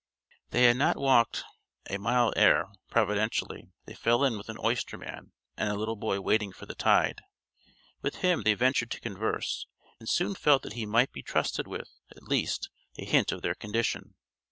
They had not walked a mile ere, providentially, they fell in with an oyster man and a little boy waiting for the tide. With him they ventured to converse, and soon felt that he might be trusted with, at least, a hint of their condition.